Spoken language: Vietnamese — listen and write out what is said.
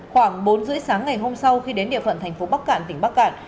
khoảng bốn rưỡi sáng ngày hôm sau khi đến địa phận tp bắc cản tỉnh bắc cản